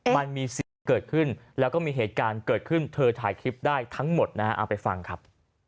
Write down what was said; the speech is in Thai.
มันมีเสียงเกิดขึ้นแล้วก็มีเหตุการณ์เกิดขึ้นเธอถ่ายคลิปได้ทั้งหมดนะฮะเอาไปฟังครับ